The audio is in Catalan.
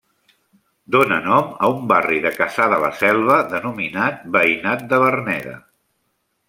Dóna nom a un barri de Cassà de la Selva denominat Veïnat de Verneda.